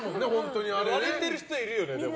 割れてる人いるよね。